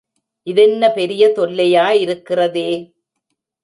இதென்ன பெரிய தொல்லையா இருக்கிறதே.